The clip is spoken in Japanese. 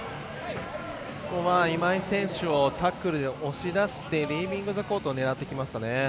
今井選手をタックルで押し出してリービングザコートを狙ってきましたね。